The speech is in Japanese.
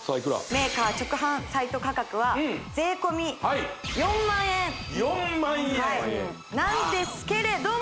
メーカー直販サイト価格は税込４万円４万円なんですけれども！